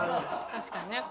確かにね。